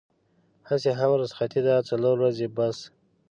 هسې هم رخصتي ده څلور ورځې بس.